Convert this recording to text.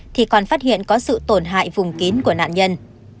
thì còn phát hiện có sự tổn hại vùng kín của nạn nhân